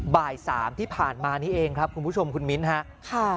บ่ายสามที่ผ่านมานี้เองครับคุณผู้ชมคุณมิ้นครับ